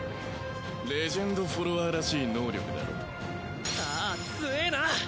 レジェンドフォロワーらしい能力だろう？ああ強えな。